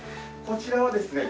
こちらはですね